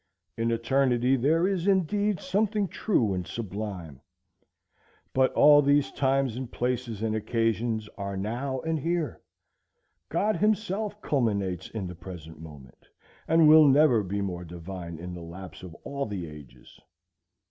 In eternity there is indeed something true and sublime. But all these times and places and occasions are now and here. God himself culminates in the present moment, and will never be more divine in the lapse of all the ages.